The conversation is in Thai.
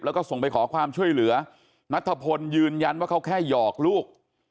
แล้วก็ส่งไปขอความช่วยเหลือนัทธพลยืนยันว่าเขาแค่หยอกลูก